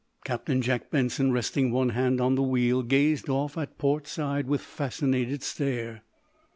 Captain Jack Benson, resting one hand on the wheel, gazed off at port side with fascinated stare.